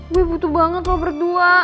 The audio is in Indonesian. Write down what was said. gue butuh banget lo berdua